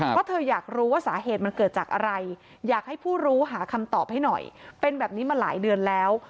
เพราะเธออยากรู้ว่าสาเหตุมันเกิดจากอะไรอยากให้ผู้รู้หาคำตอบให้หน่อยเป็นแบบนี้มาหลายเดือนแล้ว